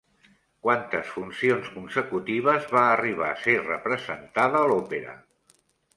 Quantes funcions consecutives va arribar a ser representada l'òpera?